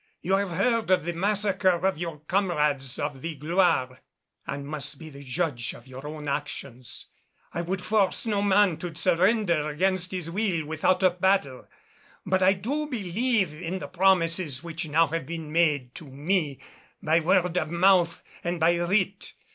You have heard of the massacre of your comrades of the Gloire and must be the judge of your own actions. I would force no man to surrender against his will without a battle; but I do believe in the promises which now have been made to me by word of mouth and by writ.